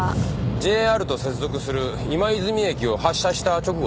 ＪＲと接続する今泉駅を発車した直後です。